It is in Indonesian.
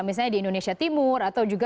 misalnya di indonesia timur